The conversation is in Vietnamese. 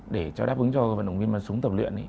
để cho đáp ứng cho vận động viên văn súng tập luyện